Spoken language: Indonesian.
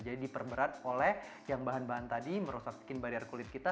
jadi diperberat oleh yang bahan bahan tadi merosak skin barrier kulit kita